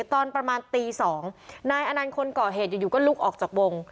ตอนประมาณตี๒นายอนันต์คนก่อเหตุอยู่ก็ลุกออกจากวง